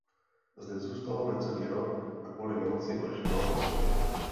Zde zůstal necelý rok a kvůli nemoci odešel na odpočinek.